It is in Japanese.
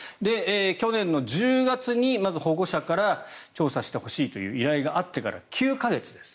去年の１０月にまず保護者から調査してほしいという依頼があってから９か月です。